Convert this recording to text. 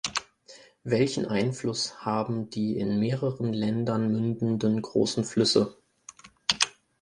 Welchen Einfluss haben die in mehreren Ländern mündenden großen Flüsse?